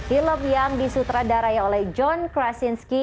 film yang disutradarai oleh john krasinski